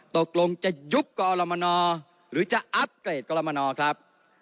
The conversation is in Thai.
ตกลงจะยุบกรมนหรือจะอัพเกรดกรมนครับ